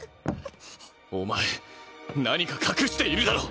お前何か隠しているだろ？